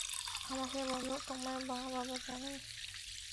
আমাকে বলো তোমার মা-বাবা জানে?